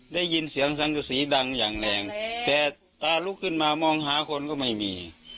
ได้ยินเสียงสังกษีดังอย่างแรงแต่ตาลุกขึ้นมามองหาคนก็ไม่มี